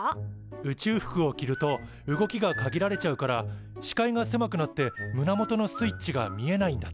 宇宙服を着ると動きが限られちゃうから視界がせまくなって胸元のスイッチが見えないんだって。